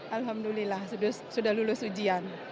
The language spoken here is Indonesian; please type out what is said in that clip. alhamdulillah sudah lulus ujian